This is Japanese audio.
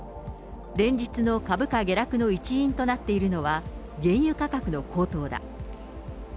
連日の株価下落の一因となっているのは、原油価格の高騰だ。